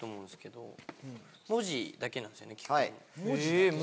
文字だけなんですよね基本。